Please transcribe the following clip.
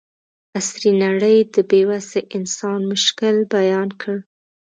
عصري نړۍ د بې وسه انسان مشکل بیان کړ.